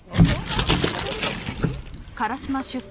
ありがとう！ん？